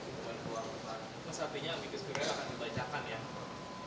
masa apinya amikus kure akan dibacakan ya